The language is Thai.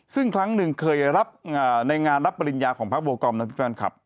ซึ่งครั้งหนึ่งเคยรับในงานรับปริญญาของพรรคโบกรมนะฮะ